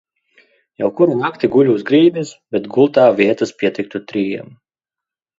Jau kuru nakti guļu uz grīdas, bet gultā vietas pietiktu trijiem.